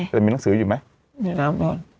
แล้วมีหนังสืออยู่ไหม